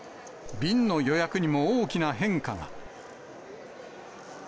便の予約にも大きな変化が。